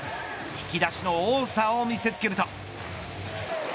引き出しの多さを見せつけると。